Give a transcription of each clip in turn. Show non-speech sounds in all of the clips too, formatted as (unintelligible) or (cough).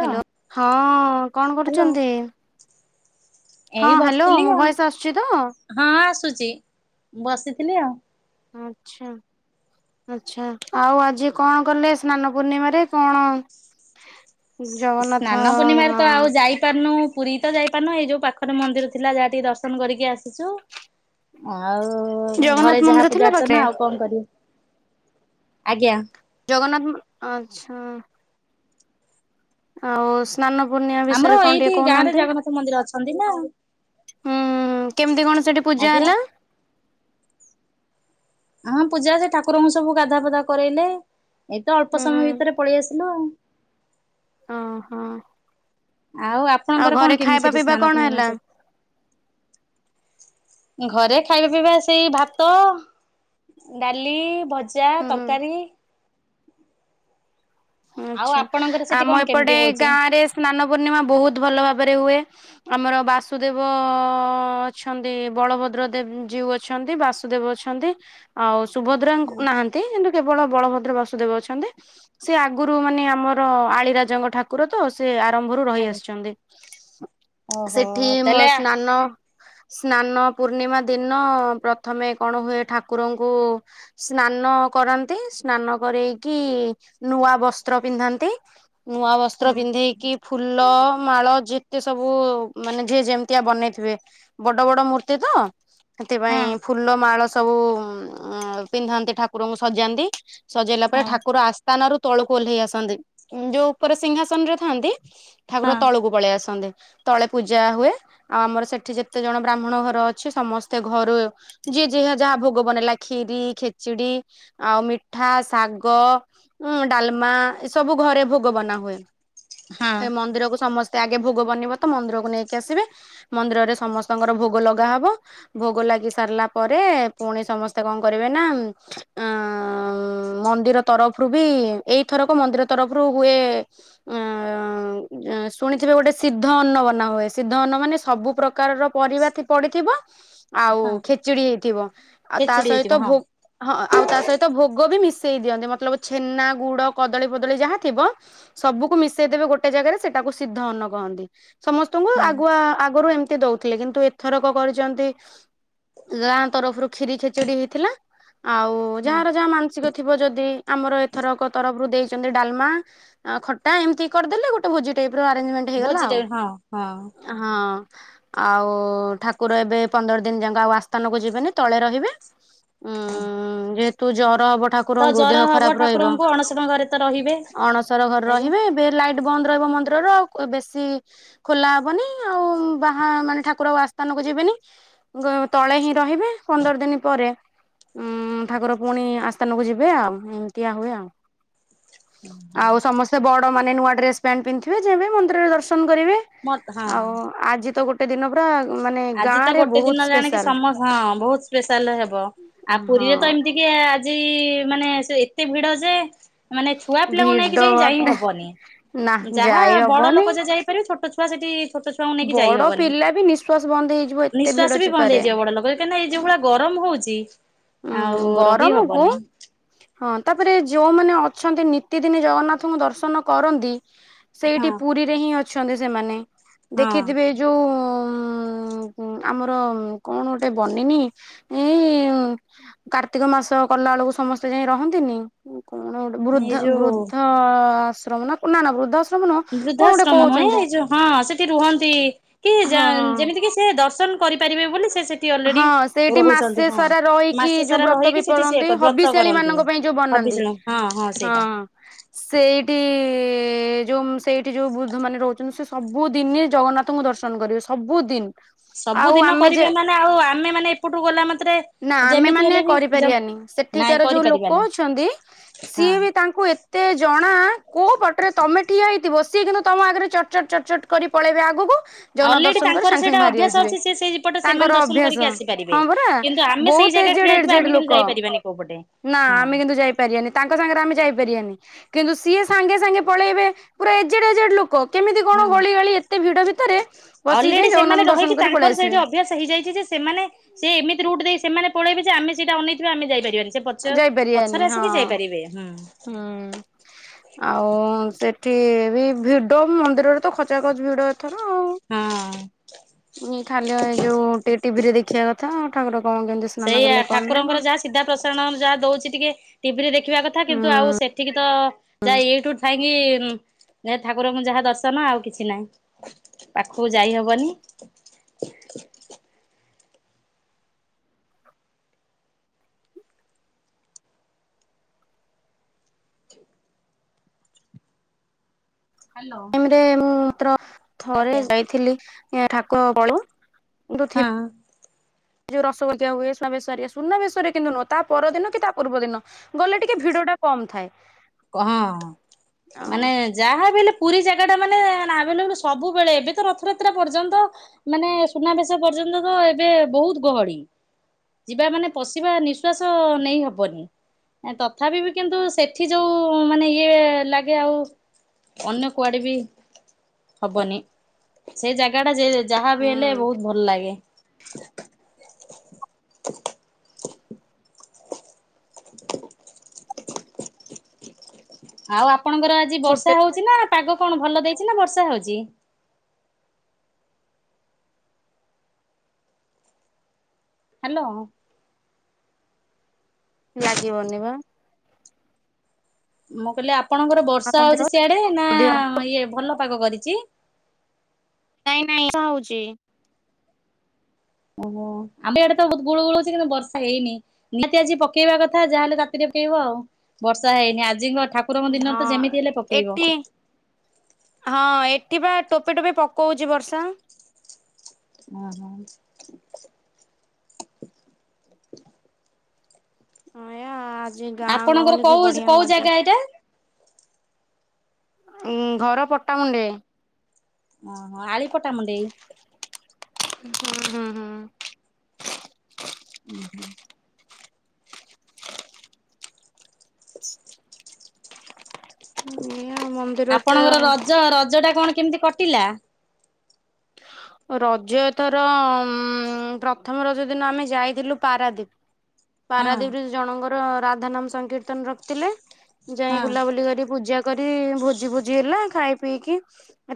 Hello ହଁ କଣ hello. କରୁଛନ୍ତି? ହଁ ଏଇ ହ୍ୟାଲୋ ବସିଥିଲି ମୋ ଆଉ। ଭଏସ ଆସୁଛି ତ? ହଁ ଆସୁଛି ବସିଥିଲି ଆଉ। ଆଚ୍ଛା। ଆଚ୍ଛା ଆଉ ଆଜି କଣ କଲେ ସ୍ନାନ ପୂର୍ଣ୍ଣିମାରେ କଣ ଜଗନ୍ନାଥ ହଁ। ତାନୁ ପୁରୀ ତ ଯାଇପାରୁନୁ ଏଇ ଯୋଉ ପାଖରେ ମନ୍ଦିର ଥିଲା ଯାହା ଟିକେ ଦର୍ଶନ କରିକି ଆସିଚୁ। ଆଉ ଘରେ ଜଗନ୍ନାଥ ଯାହା ମନ୍ଦିର ପୂଜା ଥିଲା ପାଖରେ ଅର୍ଚ୍ଚନା ଆଉ କଣ କରିବି ଆଜ୍ଞା। ଜଗନ୍ନାଥ ଆଚ୍ଛା। ଆଉ ସ୍ନାନ ପୂର୍ଣ୍ଣିମା ଆମର ବିଷୟରେ କଣ ଏଇଠି ଟିକେ ଗାଁ ରେ କହୁନାହାନ୍ତି। ଜଗନ୍ନାଥ ମନ୍ଦିର ଅଛନ୍ତି ନା ହୁଁ କେମିତି କଣ ସେଠି ପୂଜା ଆଜ୍ଞା। ହେଲା? ହଁ ପୂଜା ସେ ଠାକୁରଙ୍କୁ ସବୁ ଗାଧୁଆ ଫାଧୁଆ କରେଇଲେ ଏଇତ ଅଳ୍ପ ହୁଁ ହୁଁ ସମୟ ଭିତରେ ପଳେଇ ଆସିଲୁ ଆଉ। ହଁ ହଁ ଆଉ ଆପଣଙ୍କର ଆଉ କଣ ଘରେ କେମିତି ଖାଇବା ସେଠି ପିଇବା ସ୍ନାନ କଣ ପୂର୍ଣ୍ଣିମା ହେଲା? ଘରେ ଖାଇବା ପିଇବା ସେଇ ଭାତ ଡାଲି ଭ ଜା ହୁଁ ହୁଁ ତରକାରୀ। ଆଉ ଆଛା ଆପଣଙ୍କର ସେଠି ଆମ କଣ କେମିତି ଏପଟେ ହଉଛି? ଗାଁରେ ସ୍ନାନ ପୂର୍ଣ୍ଣିମା ବହୁତ ଭଲ ଭାବରେ ହୁଏ। ଆମର ବାସୁଦେବ ଅଛନ୍ତି ବଳଭଦ୍ର ଦେବ ଯିଉ ଅଛନ୍ତି ବାସୁଦେବ ଅଛ ନ୍ତି ଆଉ ସୁଭଦ୍ରାଙ୍କୁ ହୁଁ ନାହାନ୍ତି କିନ୍ତୁ କେବଳ ବଳଭଦ୍ର ବାସୁଦେବ ଅଛନ୍ତି। ସେ ଆଗରୁ ମାନେ ଆମର ଆଳିରାଜାଙ୍କ ଠାକୁର ତ ସେ ଆରମ୍ଭରୁ ରହି ଆଜ୍ଞା। ଆସିଛନ୍ତି। ଓହୋ ସେଠି ମୋ ତାହେଲେ ସ୍ନାନ ସ୍ନାନ ପୂର୍ଣ୍ଣିମା ଦିନ ପ୍ରଥମେ କଣ ହୁଏ ଠାକୁରଙ୍କୁ ସ୍ନାନ କରନ୍ତି ସ୍ନାନ କରେଇକି ନୂଆ ବସ୍ତ୍ର ପିନ୍ଧାନ୍ତି ନୂଆ ହଁ ବସ୍ତ୍ର ପିନ୍ଧି କି ଫୁଲ ମାଳ ଯେତେ ସବୁ ମାନେ ଯିଏ ଯେମିତିଆ ବନେଇଥିବେ। ବଡ ବଡ ମୂର୍ତ୍ତି ତ। ହଁ ସେଥିପାଇଁ ଫୁଲ ମାଳ ସବୁ ଉ ପିନ୍ଧାନ୍ତି ଠାକୁରଙ୍କୁ ସଜାନ୍ତି। ସଜେଇଲା ପରେ ହଁ ଠାକୁର ଆସ୍ଥାନରୁ ତଳକୁ ଓହ୍ଲେଇ ଆସନ୍ତି ଯୋଉ ଉପରେ ସିଂହାସନରେ ଥାନ୍ତି। ଠାକୁର ହଁ ତଳକୁ ପଳେଇ ଆସନ୍ତି। ତଳେ ପୂଜା ହୁଏ ଆଉ ଆମର ସେଠି ଯେତେ ଜଣ ବ୍ରାହ୍ମଣ ଘର ଅଛି ସମସ୍ତେ ଘରୁ ଯିଏ ଯେ ଯାହା ଭୋଗ ବନେଇଲା ଖିରି ଖେଚୁଡି ଆଉ ମିଠା ଶାଗ ଉଁ ଡାଲମା ଏ ସବୁ ଘରେ ଭୋଗ ବନା ହୁଏ ହଁ ଏ ମନ୍ଦିରକୁୁ ସମସ୍ତ ମସ୍ତେ ଆଗେ ଭୋଗ ବନିବ ତ ମନ୍ଦିରକୁ ନେଇକି ଆସିବେ ମନ୍ଦିରରେ ସମସ୍ତଙ୍କର ଭୋଗ ଲଗାହବ ଭୋଗ ଲାଗି ସାରିଲା ପରେ ପୁଣି ସମସ୍ତେ କଣ କରିବେ ନା ଆଁ ମନ୍ଦିର ତରଫରୁ ବି ଏଇଥରକ ମନ୍ଦିର ତରଫରୁ ହୁଏ ଅଁ ଅଁ ଶୁଣିଥିବେ ଗୋଟେ ସିଦ୍ଧ ଅନ୍ନ ବନା ହୁଏ ସିଦ୍ଧ ଅନ୍ନ ମାନେ ସବୁ ପ୍ରକାର କାରର ପରିବା ଥି ପଡିଥିବ ଆଉ ହଁ ଖିଚିଡି ହେଇଥିବ ଆଉ ତା ଖେଚୁଡି ହେଇଥିବ ସହିତ ହଁ ଭୋ ହଁ ଅ ଆଉ ତା ସହିତ ଭୋଗ ବି ମିଶେଇ ଦିଅନ୍ତି ମତଲବ ଛେନା ଗୁ କଦଳୀ ଫଦଳୀ ଯାହା ଥିବ ସବୁକୁ ମିଶେଇ ଦେବେ ଗୋଟେ ଜାଗାରେ ସେଟାକୁ ସିଦ୍ଧ ଅନ୍ନ କହନ୍ତି ସମସ୍ତଙ୍କୁ ହଁ ଆଗୁଆ ଆଗରୁ ଏମ ତି ଦଉଥିଲେ କିନ୍ତୁ ଏଥରକ କରିଛନ୍ତି ଗାଁ ତରଫରୁ ଖିରି ଖିଚିଡି ହେଇଥିଲା ଆଉ ଉ ହଁ ଯାହାର ଯାହା ମାନସିକ ଥିବ ଯଦି ଆମର ଏଥରକ ତରଫରୁ ଦେଇଛନ୍ତି ଡାଲମା ଆ ଖଟା ଏମତି କରିଦେଲେ ଗୋଟେ ଭୋଜି ଟାଇପ୍ ର ଆରେଞ୍ଜମେ ଭୋଜି ଟା ବି ହଁ ହଁ। ହଁ। ଆଉ ଠାକୁର ଏବେ ପନ୍ଦର ଦିନ ଯାକ ଆଉ ଆସ୍ଥାନକୁ ଯିବେନି ତଳେ ରହିବେ। ହଁ। ତୁ ଜର ହବ ଠାକୁରଙ୍କୁ ଦେହ ଖରାପ ରହିବ ଠାକୁରଙ୍କୁ ଅଣସର ଘରେ ତ ରହିବେ ଅଣସର ଘରେ ଏବଂ ରହିବେ। ବେଡ୍ ଲାଇଟ୍ ବନ୍ଦ ରହିବ ମନ୍ଦିରର ଆଉ ବେଶୀ ଖୋଲା ହବନି ଆଉ ବାହା ମାନେ ଠାକୁର ଆଉ ଆସ୍ଥାନକୁ ଯିବେନି। ଗ ତଳେ ହିଁ ରହିବେ ପନ୍ଦର ଦିନ ପରେ ଉଁ ଠାକୁର ପୁଣି ଆସ୍ଥାନକୁ ଯିବେ ଆଉ ଏମିତିଆ ହୁଏ ଆଉ ଆଉ ସମସ୍ତେ ବଡ ମାନେ ନୂଆ ଡ୍ରେସ୍ ପ୍ୟାଣ୍ଟ ପିନ୍ଧଥିବେ ଯିବେ ମନ୍ଦିରରେ ଦର୍ଶନ କରିବେ। ମ ହଁ ଆଉ ଆଜି ତ ଗୋଟେ ଦିନ ପୁରା ମାନେ ଆଜି ଗାଁ ତ ରେ ଗୋଟେ ବହୁତ ଦିନ ଜାଣିକି ସ୍ପେଶାଲ। ସମ ହଁ ବହୁତ ସ୍ପେଶାଲ ହେବ ଆଉ ହଁ ପୁରୀରେ ତ ଏମିତି କିଏ ଆଜି ମାନେ ସେ ଏତେ ଭିଡ ଯେ ମାନେ ଛୁଆ ପିଲାଙ୍କୁ ଭିଡ ନେଇକି ଯାଇ ଯାଇ ବାପରେ ହବନି ନା ଯାହା ଯାଇ ବଡ ହବନି। ଲୋକ ଯାଆ ଯାଇପାରିବେ ଛୋଟ ଛୁ ତ ସେଠି ଛୋଟ ଛୁଆଙ୍କୁ ନେଇକି ଯାଇହବନି। ଏବି ନିଃଶ୍ୱାସ ବନ୍ଦ ହେଇ ନିଶ୍ଵାସ ବି ବନ୍ଦ ହେଇଯିବ ବଡ ଲୋକ କାହିଁକି ନା ଏଯଉ ଭଳିଆ ଗରମ ହଉଚି ଉଁ ଗରମକୁ ହଁ ତାପରେ ଯୋଉମାନେ ଅଛନ୍ତି ନିତି ଦିନି ଜଗନ୍ନାଥଙ୍କୁ ଦର୍ଶନ କରନ୍ତି ହଁ ସେଇଠି ପୁରୀରେ ହିଁ ଅଛନ୍ତି ସେମାନେ ହଁ ଦେଖିଥିବେ ଏ ଯୋଉ ଉଁ ଉଁ ହୁଁ ଆମର କଣ ଗୋଟେ ବନିନି ଏଇ କାର୍ତ୍ତିକ ମାସ କଲା ଅଳକୁ ସମସ୍ତେ ଯାଇ ରହନ୍ତିନି କଣ ଗୋଟେ ଏଇ ବୃଦ୍ଧା ଯୋଉ ବୃଦ୍ଧ ଅ ଆଶ୍ରମନା ପୁନା ନା ବୃଦ୍ଧାଶ୍ର ବୃଦ୍ଧାଶ୍ରମ ନୁହେଁ ଏଇ ଯୋଉ ହଁ ସେଠି ରୁହନ୍ତି କି ଯା ହଁ ହଁ ଯେମିତି କି ସେ ଦର୍ଶନ କରିପାରିବେ ବୋଲି ସେ ସେ ହଁ ସେଇଠି ମାସେ ସାରା ରହିକି ମାସେ ଯୋଉ ସାରା ବ୍ରତ ରହିକି ବି ସେଠି ସିଏ ପରନ୍ତି ବ୍ରତ ହବିଷେଳି କରନ୍ତି। ମାନଙ୍କ ପାଇଁ ଯୋଉ ବନାନ୍ତି। ହବିଷଣ ହଁ ହଁ। ସେଇଟା ସେଇଠି ଯଉ ସେଇଠି ଯଉ ବୃଦ୍ଧମାନେ ରହୁଛନ୍ତି ସେ ସବୁଦିନେ ଜଗନ୍ନାଥଙ୍କୁ ଦର୍ଶନ କରିବେ। ସବୁଦିନ। ଆଉ ସବୁଦିନ ଆମେ ଯେ କରିବେ ମାନେ ଆଉ ଆମେ ମାନେ ଏପଟୁ ଗଲା ମାତ୍ରେ ନା ଆମେ ଯେମିତି ମାନେ ହେଲେ ବି କରିପାରିବାନି ନାଇଁ ସେଠିକାର ଯୋଉ ଲୋକ କରିପାରିବାନି। ଅଛନ୍ତି ହଁ ସିଏ ବି ତାଙ୍କୁ ଏ ତେ ଜଣା କୋଉ ପଟରେ ତମେ ଠିଆ ହେଇଥିବ ସିଏ କିନ୍ତୁ ତମ ଆଗରେ ଚଟ୍, ଚଟ୍, ଚଟ୍, ଚଟ୍ କରି ପଳେଇବେ ଆଗକୁ ଜଗନ୍ନାଥ ଅଲରେଡି ଦର୍ଶନ କରି ତାଙ୍କର ସାଙ୍ଗ ସେଇଟା ସାଙ୍ଗେ ବାହାରି ଅଭ୍ୟାସ ଆସିବେ। ଅଛି ସେ ସେଇପଟେ ସେମାନେ ତାଙ୍କର ଦର୍ଶନ କରିକି ଅଭ୍ୟାସ ଆସିପାରିବେ। ହଁ ପରା କିନ୍ତୁ ଆମେ ସେଇ ବହୁତ ଜାଗା ଠିଆ ଏଜେଡ୍ ହେଇଥିବା ଏଜେଡ୍ ଆମେ କିନ୍ତୁ ଲୋକ। ଯାଇପାରିବାନି କୋଉ ପଟେ ନା ହଁ ଆମେ କିନ୍ତୁ ଯାଇ ପାରିବାନି ତାଙ୍କ ସାଙ୍ଗରେ ଆମେ ଯାଇପାରିବାନି କିନ୍ତୁ ସିଏ ସାଙ୍ଗେ ସାଙ୍ଗେ ପଳେଇବେ ପୁରା ଏଜେଡ୍ ଏଜେଡ୍ ଲୋକ। କେମିତି ହଁ କଣ ଗଳି ଗାଳି ଏତେ ଭିଡ ଭିତରେ ବସିକି ଅଲରେଡି ଯାଇ ସେମାନେ ଜଗନ୍ନାଥ ରହିକି ଦର୍ଶନ କରି ତାଙ୍କର ପଳେଇ ସେଇଠି ଆସିବେ। ଅଭ୍ୟାସ ହେଇଯାଇଚିଯେ ସେମାନେ ସେ ଏମିତି ରୁଟ୍ ଦେଇ ସେମାନେ ପଳେଇବେ ଯେ ଆମେ ସେଇଟା ଅନେଇଥିବା ଆମେ ଯାଇପାରିବାନି। ସେ ପଛ ଯାଇପାରିବାନି ପଛରେ ହଁ ଆସିକି ଯାଇପାରିବେ ହୁଁ। ହୁଁ। ଆଉ ସେଠି ବି ଭିଡ ମନ୍ଦିରରେ ତ ଖଚା ଖଚ ଭିଡ ଏଥର। ହଁ। ଏଇ ଖାଲି ଏ ଯୋଉେ ଟି ଟିଭିରେ ଦେଖିବା କଥା ଠାକୁର କଣ କେନ୍ତି ସେଇଆା ଠାକୁରଙ୍କର ଯାହା ସିଧା ପ୍ରସାରଣ ଯାହା ଦଉଚି ଟିକେ ଟିଭି ରେ ଦେଖିବା କଥା କିନ୍ତୁ ଆଉ ସେ ହୁଁ ଏଠିକି ତ ଯାହା ୟୁଟ୍ୟୁବ ଥାଇକି ଠାକୁରଙ୍କୁ ଯାହା ଦର୍ଶନ ଆଉ କିଛି ନାହିଁ। ପାଖକୁ ଯାଇହବନି। ହ୍ୟାଲୋ ରୁମ୍ ରେ ମୁଁ ମାତ୍ର ଥରେ ଯାଇଥିଲି ଠାକୁର ବଳୁ ହଁ ଦୁଥିିବ ଯଉ ରସଗୋିକଆ ହୁଏ ବ ସୁନା ବେଶରେ ସୁନା ବେଶରେ କିନ୍ତୁ ନୁହଁ ତା ପରଦିନ କି ତା ପୂର୍ବ ଦିନ ଗଲେ ଟିକେ ଭିଡ ଟା କମ ଥାଏ କ ହଁ ଅଁ ମାନେ ଯାହା ବି ହେଲେ ପୁରୀ ଜାଗା ଟା ମାନେନାଭେଏଲ ସବୁବେଳେ ଏବେ ତ ରଥଯାତ୍ରା ପର୍ଯ୍ୟନ୍ତ ମାନେ ସୁନାବେଶ ପର୍ଯ୍ୟନ୍ତ ତ ଏବେ ବହୁତ ଗହଳି ଯିବା ମାନେ ପଶିବା ନିଃଶ୍ଵାସ ନେଇ ହବନି ତଥାପି ବି କିନ୍ତୁ ସେଠି ଯୋଉ ମାନେ ଇଏ ଲାଗେ ଆଉ ଅନ୍ୟ କୁଆଡେ ବି ହବନି ସେଇ ଜାଗା ଟା ଯେ ଯାହା ବି ହେଲେ ହୁଁ ବହୁତ ଭଲ ଲାଗେ ହ (unintelligible) ଆଉ ଆପଣଙ୍କର ଆଜି ବର୍ଷା ହୋଟେଲ ହଉଛି ନା ପାଗ କଣ ଭଲ ଦେଇଛି ନା ବର୍ଷା ହଉଛି? ହ୍ୟାଲୋ ଲାଗିବନି ବା ମୁଁ କହିଲି ଆପଣଙ୍କର ବର୍ଷା ମନ୍ଦିର ହଉଛି ସିଆଡେ ନା ଅଧିକ ଇଏ ଭଲ ପାଗ କରିଛି? ନାଇଁ ନାଇଁ ବର୍ଷା ହଉଛି ଓହୋ ଆମେ ଏଆଡେ ତ ବହୁତ ଗୁଳୁଗୁଳୁ ହୋଉଛି କିନ୍ତୁ ବର୍ଷା ହେଇନି ନିହାତି ଆଜି ପକେଇବା କଥା ଯାହାହେଲେ ରାତିରେ ପକେଇବ ଆଉ ବର୍ଷା ହେଇନି ଆଜି ଙ୍ଗ ଠାକୁ ପକୁରଙ୍କ ଦିନରେ ହଁ ତ ଯେମିତି ହେଲେ ପକେଇବ ଏଠି ହଁ ଏଠି ବା ଟୋପେ ଟୋପେ ପକଉଛି ବର୍ଷା ଓ ହ ଆୟା ଆ ଆପଣଙ୍କର କୋଉ କୋଉ ଜାଗା ଏଇଟା? ଉଁ ଘର ପଟାମୁଣ୍ଡେ ଓହୋ ଆଳିପଟାମୁଣ୍ଡେଇ ହୁଁ ହୁଁ ହୁଁ ହୁଁ ହୁଁ ହୁଁ ଏଇଆ ମନ୍ଦିର ତ ଆପଣଙ୍କର ରଜ ରଜ ଟା କଣ କେମିତି କଟିଲା? ରଜଏଥର ଉ ପ୍ରଥମ ରଜ ଦିନ ଆମେ ଯାଇଥିଲୁ ପାରାଦୀପ (inaudible) ହଁ ପାରାଦେବୀ ଜଣଙ୍କର ରାଧା ନାମ ସଂକୀର୍ତ୍ତନ ରଖିଥିଲେ ଯାଇ ହଁ ବୁଲାବୁଲି କରି ପୂଜା କରି ଭୋଜି ଭୋଜି ହେଲା ଖାଇ ପିଇକି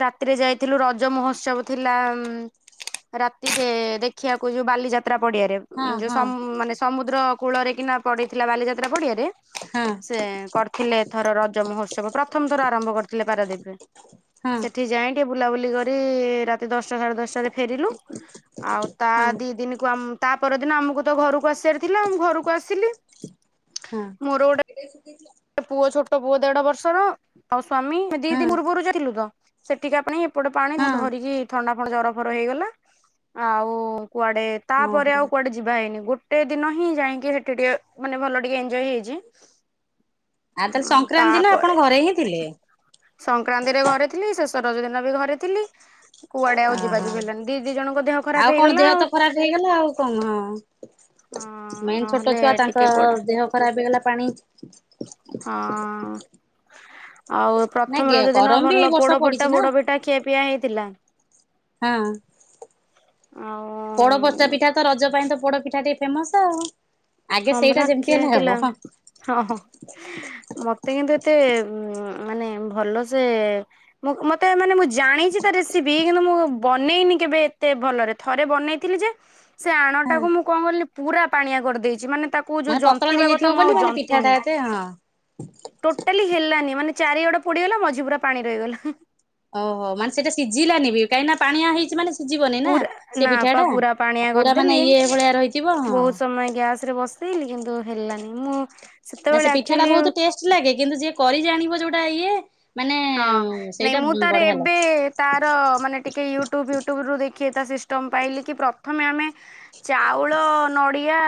ରାତିରେ ଯାଇଥିଲୁ ରଜ ମହୋତ୍ସବ ଥିଲା ଉ ରାତିରେ ଦେଖିବାକୁ ଯୋଉ ବାଲିଯାତ୍ରା ପଡିଆରେ ହଁ ଉ ଯୋଉ ହଁ ସମ୍ ମାନେ ସମୁଦ୍ର କୂଳରେ କିନା ପଡିଇଥିଲା ବାଲିଯାତ୍ରା ପଡିଆରେ ସେ କରିଥିଲେ ଏଥର ରଜ ମହୋତ୍ସବ ପ୍ରଥମ ଥର ଆରମ୍ଭ କରିଥିଲେ ପାରାଦୀପରେ ହଁ ସେଠି ଯାଇ ଟିକେ ବୁଲାବୁଲି କରି ରାତି ଦଶ ସାଢେ ଦଶଟାରେ ଫେରିଲୁ ଆଉ ତା ହଁ ହଁ ଦି ଦିନକୁ ଆମ ତା ପରଦିନ ଆମକୁ ତ ଘରକୁ ଆସିବାର ଥିଲା ମୁ ଘରକୁ ଆସିଲି ମୋର ଗୋଟେ କିଏ ସୁକେଇଥିଲା ପୁଅ ଛୋଟ ପୁଅ ଦେଢ ବର୍ଷର ଆଉ ସ୍ଵାମୀ ଦି ଦି ହଁ ପୂର୍ବରୁ ଯାଇଥିଲୁ ତ ସେଠିକା ପାଣି ଏପଟେ ପାଣି ମୁଁ ହଁ ଧରିକି ଥଣ୍ଡା ଫଣ୍ଡ ଜରଫର ହେଇଗଲା ଆଉ କୁଆଡେ ତାପରେ ଓହୋ ଆଉ କୁଆଡେ ଯିବା ହେଇନି ଗୋଟେ ଦିନ ହିଁ ଯାଇକି ସେଠି ଟିକେ ମାନେ ଭଲ ଟିକେ ଏଞଜୟ ହେଇଛି ଆଉ ତାହଲେ ସଂକ୍ରାନ୍ତି ଦିନ ଆପଣ ଘରେ ହିଁ ଥିଲେ ସଂକ୍ରାନ୍ତି ରେ ଘରେ ଥିଲି ଶେଷ ରଜ ଦିନ ବି ଘରେ ଥିଲି କୁଆଡେ ଆଉ ଅ ଯିବା ହଁ ଯିବି ହେଲାନି ଦି ଦି ଜଣଙ୍କ ଦେହ ଖରାପ ଆଉ କଣ ହେଇଗଲା ଦେହ ତ ଖରାପ ହେଇଗଲା ଆଉ କଣ ହଁ। ମେନ୍ ଛୋଟ ନହେଲେ ଛୁଆ ତାଙ୍କ ଟିକେ କୁଆଡେ ଦେହ ଖରାପ ହେଇଗଲା। ପାଣି ହଁ। ଆଉ ପ୍ରଥମ ନାଇଁ ରଜ ଦିନ ଗରମ ବି ଏଇ ଭଲ ବର୍ଷ ପୋଡ ପଡିଛି ଫଟା ନା ପୋଡ ପିଠା ଖିଆ ପିଆ ହେଇଥିଲା। ହଁ ଆଉ ପୋଡପଚା ପିଠା ତ ରଜ ପାଇଁ ତ ପୋଡ ପିଠା ଟିକେ ଫେମସ୍ ଆଉ ଆଗେ ହଁ ପରା ସେଇଟା ଖିଆ ଯେମିତି ହେଲେ ହେଇଥିଲା ହବ। ହଁ ହଁ। ମତେ କିନ୍ତୁ ଏତେ ମାନେ ଭଲସେ ମୁଁ ମତେ ମାନେ ମୁଁ ଜାଣିଚି ତା ରେସିପି କିନ୍ତୁ ମୁଁ ବନେଇନି କେବେ ଏତେ ଭଲରେ ଥରେ ବନେଇଥିଲି ଯେ ସେ ଆଣ ଟାକୁ ମୁଁ କଣ କିଲି ପୁରା ପାଣିଆ କରିଦେଇଚି ମାନେ ତା କୁ ଯୋଉ ମାନେ ପତଳା ଜନ୍ତିବା କଥା ହେଇଯାଇଥିବ ମୁଁ ବୋଲି ଆଉ ମାନେ ଜନ୍ତିନି। ପିଠାଟା ଏତେ ହଁ ଟୋଟାଲି ହେଲାନି ମାନେ ଚାରିଆଡ ପୋଡିଗଲା ମଝି ପୁରା ପାଣି ରହିଗଲା। ଓହୋ ମାନେ ସେଇଟା ସିଝିଲାନି ବି କାହିଁକିନା ପାଣିଆ ହେଇଚି ମାନେ ସିଝିବନି ନା ପୁରା ସେ ନା ପା ପିଠାଟା। ପୁରା ପାଣିଆ ପୁରା ମାନେ କରିଦେଲି। ଇଏ ଭଳିଆ ରହିଥିବ ହଁ। ସେଥିରେ ବସେଇଲିି କିନ୍ତୁ ହେଲାନି ମୁଁ ନା ସେତେବେଳେ ସେ ପିଠା ଟା ଆକ୍ଚୁଆଲି ବୋହୁତ ଟେଷ୍ଟ ଲାଗେ କିନ୍ତୁ ଯିଏ କରି ଜାଣିବ ଯୋଉଟା ଇଏ ମାନେ ହଁ ନାଇଁ ସେଇଟା ମୁଁ ତାର ବଢିଆ ଏବେ ଲାଗେ ତାର ମାନେ ଟିକେ ୟୁ ଟୁବ ଫୁୟୁଟୁବରୁ ଦେଖେ ସିଷ୍ଟମ ପାଇଲି କି ପ୍ରଥମେ ଆମେ ଚାଉଳ ନଡି ଆ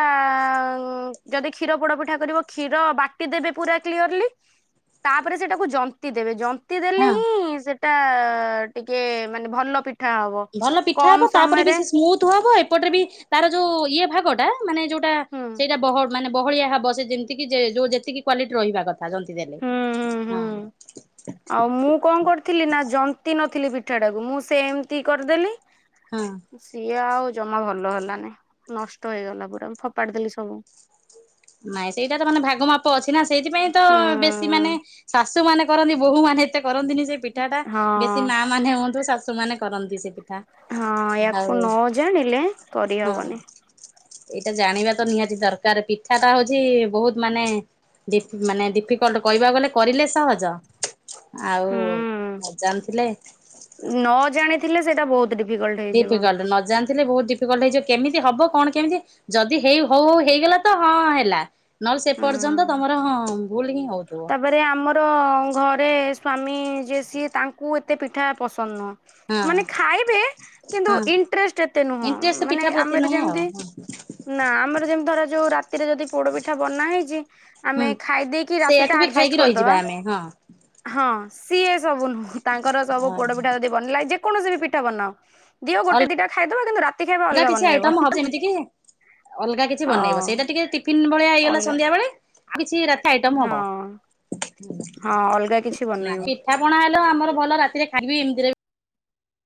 ଯଦି କ୍ଷୀର ପୋଡ ପିଠା କରିବ କ୍ଷୀର ବାଟି ଦେବେ ପୁରା କ୍ଲିୟରଲି। ତାପରେ ସେଟାକୁ ଜନ୍ତି ଦେବେ ଜନ୍ତି ଦେଲେ ହଁ ହିଁ ସେଟା ଟିକେ ମାନେ ଭଲ ପି ଭଲ ପିଠା ହବ ତାପରେ ବି ସେ ସ୍ମୁଥ ହବ ଏପଟରେ ବି ତାର ଯୋଉ ଇଏ ଭାଗ ଟା ମାନେ ଯୋଉଟା ହୁଁ। ସେଇଟା ବହ ମାନେ ବହଳିଆ ହବ ସେ ଯେମିତିକ ଯୋଉ ଯେତିକି କ୍ଵାଲିଟି ରହିବା କଥା ଯନ୍ତି ଦେଲେ ହୁଁ ହୁଁ ହଁ। ହୁଁ। (inaudible) ଆଉ ମୁଁ କଣ କରିଥିଲି ନା ଜନ୍ତି ନଥିଲି ପିଠାଟାକୁ। ମୁଁ ସେମିତି କରିଦେଲି। ହଁ। ସିଏ ଆଉ ଜମା ଭଲ ହେଲାନି। ନଷ୍ଟ ହେଇଗଲା ପୁରା ଫୋପାଡି ଦେଲି ସବୁ। ନାଇଁ ସେଇଟା ତ ମାନେ ଭାଗ ମାପ ଅଛି ନା ସେଇଥିପାଇଁ ତ ହୁଁ ବେଶୀ ମାନେ ଶାଶୁ ମାନେ କରନ୍ତି ବୋହୂ ମାନେ ଏତେ କରନ୍ତିନି। ସେ ପିଠାଟା ହଁ ବେଶୀ ମା ମାନେ ହୁଅନ୍ତୁ ଶାଶୁ ମାନେ କରନ୍ତି ସେ ପିଠା। ହଁ ଆଉ ୟାକୁ ନ ଜାଣିଲେ ହଁ କରିହବନି। ଏଇଟା ଜାଣିବା ତ ନିହାତି ଦରକାର ବି। ଇଚ୍ଛାଟା ହୋଉଚି ବୋହୁତ ମାନେ ଡି ମାନେ ଡିଫିକଲଟ୍ କହିବାକୁ ଗଲେ କରିଲେ ସହଜ। ଆଉ ହୁଁ ନଜାଣି ଥିଲେ। ନ ଜାଣିଥିଲେ ସେଇଟା ବୋହୁତ ଡି ଫିକଲଟ୍ ନଜା ଣି ଥିଲେ ବୋହୁତ ଡିଫିକଲଟ୍ ହେଇଯିବ କେମିତି ହବ କଣ କେମିତି ଯଦି ହେଇ ହୋଉ ହୋଉ ହେଇଗଲା ତ ହଁ ହେଲା। ନହେଲେ ସେ ହୁଁ। ପର୍ଯ୍ୟନ୍ତ ତମର ହଁ ଭୁଲ ହିଁ ହୋଉଥିବ। ତାପରେ ଆମର ଘରେ ସ୍ୱାମୀ ଯିଏ। ସିଏ ତାଙ୍କୁ ଏତେ ପିଠା ପସନ୍ଦ ନୁହଁ। ହଁ ମାନେ ଖାଇବେ କିନ୍ତୁ ହଁ ଇଣ୍ଟରେଷ୍ଟ ଏତେ ନୁହଁ ଇଣ୍ଟରେଷ୍ଟ ମାନେ ପିଠା ପ୍ରତି ଆମର ନୁହେଁ ଆଉ ଯେମିତି ନା ଆମର ଯେମିତି ଧର ଯୋଉ ରାତିରେ ଯଦି ପୋଡ ପିଠା ବନା ହେଇଚି। ଆମେ ହୁଁ ଖାଇ ଦେଇକି ସେଇଆକୁ ରାତିଟା ବି ଖାଇକି ଆଡଜେଷ୍ଟ ରହିଯିବା କରିଦବା। ଆମେ ହଁ ସିଏ ସବୁ ନୁହଁ ତାଙ୍କର ସବୁ ହଁ ପୋଡ ପିଠା ଯଦି ବନିଲା। ଯେକୌଣସି ବି ପିଠା ବନାଅ ଦିଅ ଗୋଟେ ଦିଇଟା ଖାଇଦବା କିନ୍ତୁ ରା ଅଲଗା କିଛି ଆଇଟମ୍ ହବ ଯେମିତି କି ଅଲଗା କିଛି ବନେଇବ ହଁ ସେଇଟା ଟିକେ ଟି ଫିନ୍ ଭଳିଆ ହେଇଗଲା ଅଲଗା ସନ୍ଧ୍ୟାବେଳେ କିଛି ରାତି ଆଇଟମ୍ ହବ। ହଁ ହଁ ଅଲଗା କିଛି ବନେଇବ। ଠାପଣା ହେଲେ ଆମର ଭଲ ରାତିରେ ଖାଇବି ଏମିତିରେ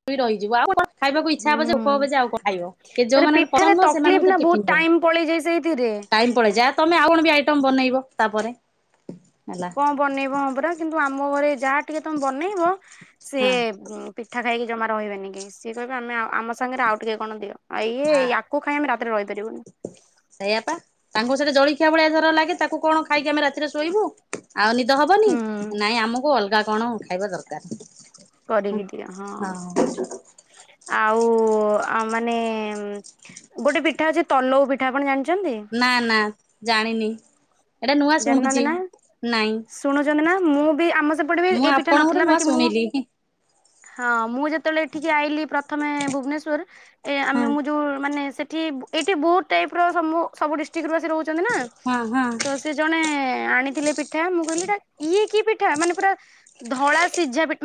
ବି ରହିଯିବୁ ଆଉ (inaudible) ଖାଇବାକୁ ଇଚ୍ଛା ହବ ଯେ, ଭୋକ ହୁଁ ହବ ଯେ ଆଉ କଣ ଖାଇବ, ଏ ଯୋଉ ତାରେ ମାନଙ୍କର ପସନ୍ଦ ପିଠାରେ ନୂହଁ ତକଲିଫ ସେମାନଙ୍କ ନା ଟିଫିନ୍ ବହୁତ ଭଳିଆ। ଟାଇମ ପଳେଇଯାଏ ସେଇଥିରେ ଟାଇମ୍ ପଳେଇଯା ଆ, ତୋମେ ଆଉ କଣ ବି ଆଇଟମ୍ ବନେଇବ ତାପରେ। ହେଲା କଣ ବନେଇବ ହଁ ପରା, କିନ୍ତୁ ଆମ ଘରେ ଯାହା ଟିକେ ତୋମେ ବନେଇବ, ହଁ ସିଏ ଉଁ, ପି ପିଠା ଖାଇକି ଜମା ରହିବେନି କେଇ, ସିଏ କହିବେ ଆମେ ଆଅ ଆମ ସାଙ୍ଗରେ ଆଉ ଟିକେ କଣ ଦିଅ ଆ ଇଏ ଆ କୁ ଖାଇ ଆମେ ରାତିରେ ରହିପାରିବୁନି। ସେଇଆ ପା ତାଙ୍କୁ ସେଠା ଜଳଖିଆ ଭଳିଆ ଧର ଲାଗେ ତାକୁ କଣ ଖାଇକି ଆମେ ରାତ ତିରେ ଶୋଇବୁ ଆଉ ନିଦ ହବନି, ହୁଁ। ନାଇଁ ଆମକୁ ଅଲଗା କଣ ଖାଇବା ଦରକାର। ହଁ, କରିକି ଦିଅ ହଁ। ଆଉ ଆ, ମାନେ ଉଁ, ଗୋଟେ ପିଠା ଅଛି ତନଉ ପିଠା ଆପଣ ଜାଣିଛନ୍ତି? ନା ନା ଜାଣିନି ଏଟା ନୂଆ ଜାଣିନାହାନ୍ତି ଶୁଣୁଚି। ନା? ଶୁଣୁଛନ୍ତି ନା ମୁଁ ବି ଆମ ସେପଟେ ବି ମୁଁ ଏଇ ପିଠା ଆପଣଙ୍କଠୁ ନଥିଲା ନୂଆ ବାକି ମୁଁ ଶୁଣିଲି ହଁ ହଁ ମୁଁ ଯେତେବେଳେ ଏଠିକି ଆଇଲିି ପ୍ରଥମେ ଭୁବନେଶ୍ୱର ଏ ଆମେ ମୁଁ ଯୋଉ ମାନେ ସେଠି ଏଇଠି ବହୁତ ଟାଇପ୍ ର ସମୁ ସବୁ ଡିଷ୍ଟ୍ରିକ୍ ରୁ ଆସ ରହୁଛନ୍ତି ନା। ହଁ, ତ ହଁ। ସେ ଜଣେ ଆଣିଥିଲେ ପିଠା ମୁଁ କହିଲି ଏଟା ଇଏ କି ପିଠା? ମାନେ ପୁରା ଧଳା ସିଝା ପିଠ ଉଁ,